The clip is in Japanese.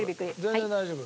全然大丈夫。